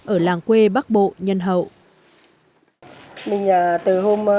ở làng quê bắc bộ nhân hậu